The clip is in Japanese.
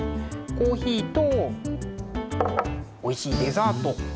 コーヒーとおいしいデザート。